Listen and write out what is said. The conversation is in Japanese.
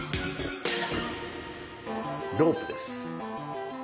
ロープです。